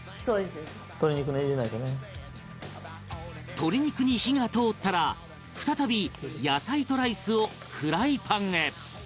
鶏肉に火が通ったら再び野菜とライスをフライパンへ